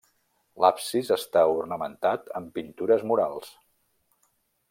L'absis està ornamentat amb pintures murals.